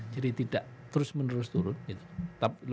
jadi tidak terus menerus turun gitu